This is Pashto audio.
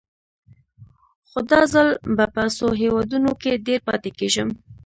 خو دا ځل به په څو هېوادونو کې ډېر پاتې کېږم.